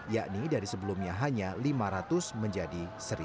yakni dari sebelumnya hanya lima ratus menjadi satu